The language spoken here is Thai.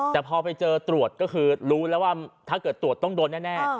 แต่พอไปเจอตรวจก็คือรู้แล้วว่าถ้าเกิดตรวจต้องโดนแน่